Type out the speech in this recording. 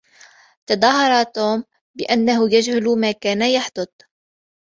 تظاهر توم بأنه يجهل ما كان يحدث.